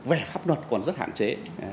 về pháp luật còn rất hạn chế